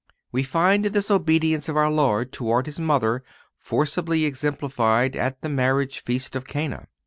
We find this obedience of our Lord toward His Mother forcibly exemplified at the marriage feast of Cana.